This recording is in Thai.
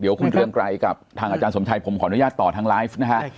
เดี๋ยวคุณเรืองไกรกับทางอาจารย์สมชัยผมขออนุญาตต่อทางไลฟ์นะฮะ